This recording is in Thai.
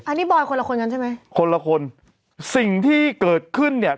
อันนี้บอยคนละคนกันใช่ไหมคนละคนสิ่งที่เกิดขึ้นเนี่ย